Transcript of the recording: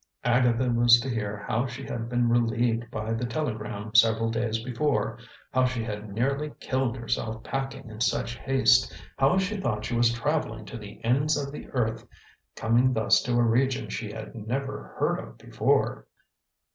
Agatha was to hear how she had been relieved by the telegram several days before, how she had nearly killed herself packing in such haste, how she thought she was traveling to the ends of the earth, coming thus to a region she had never heard of before.